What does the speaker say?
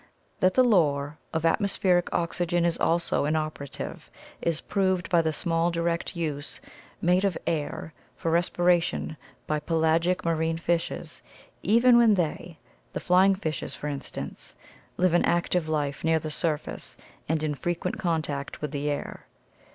— That the lure of atmospheric oxygen is also inoperative is proved by the small direct use made of air for respiration by pelagic marine fishes even when they — the flying fishes, for instance — live an active life near the surface and in frequent contact with the air.